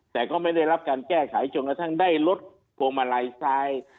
แต่ก็ไม่ได้รับการแก้ไขจนกระทั่งได้ลดพวงมาลัยซ้าย